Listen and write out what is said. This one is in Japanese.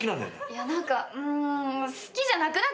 いや何かうん好きじゃなくなっちゃった。